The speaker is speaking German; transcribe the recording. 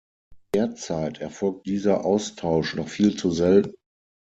Derzeit erfolgt dieser Austausch noch viel zu selten.